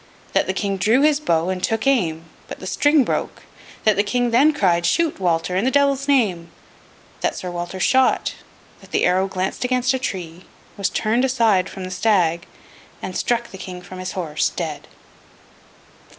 That the King drew his bow and took aim, but the string broke. That the King then cried, 'Shoot, Walter, in the Devil's name!' That Sir Walter shot. That the arrow glanced against a tree, was turned aside from the stag, and struck the King from his horse, dead.